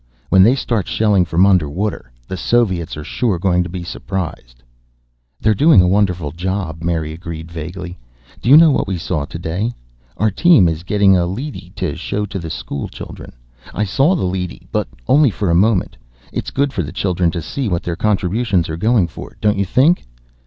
"When they start shelling from underwater, the Soviets are sure going to be surprised." "They're doing a wonderful job," Mary agreed vaguely. "Do you know what we saw today? Our team is getting a leady to show to the school children. I saw the leady, but only for a moment. It's good for the children to see what their contributions are going for, don't you think?"